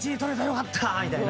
よかった！みたいな。